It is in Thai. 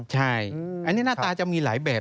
ใช่อันนี้หน้าตาจะมีหลายแบบ